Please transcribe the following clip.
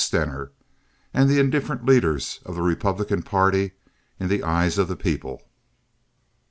Stener and the indifferent leaders of the Republican party in the eyes of the people."